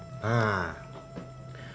menurut buku dasar dasar marketing yang bapak baca